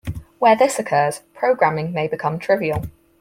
Where this occurs, programming may become trivial.